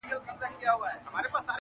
اغزي مي له تڼاکو رباتونه تښتوي؛